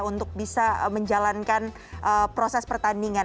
untuk bisa menjalankan proses pertandingan